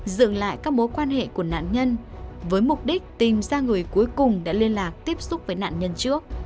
dừng lại các mối quan hệ của nạn nhân với mục đích tìm ra người cuối cùng đã liên lạc tiếp xúc với nạn nhân trước